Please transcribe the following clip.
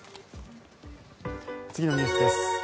次のニュースです。